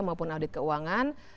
maupun audit keuangan